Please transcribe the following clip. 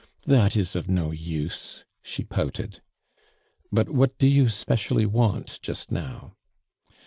"That is of no use," she pouted. '•But what do you specially want just now?"